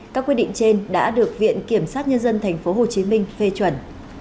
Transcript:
các quyết định trên đã được viện kiểm sát nhân dân tp hcm phê chuẩn